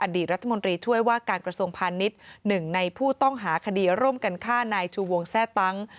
ดีรัฐมนตรีช่วยว่าการกระทรวงพาณิชย์หนึ่งในผู้ต้องหาคดีร่วมกันฆ่านายชูวงแทร่ตั้ง